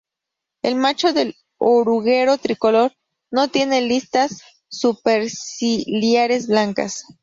El macho del oruguero tricolor no tiene listas superciliares blancas.